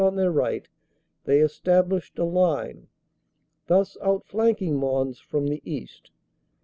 on their right, they established a line, thus outflanking Mons from the east.